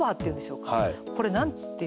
これ何て。